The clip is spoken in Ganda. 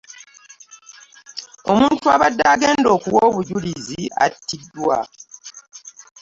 Omuntu abadde agenda okuwa obujulizi atidwa.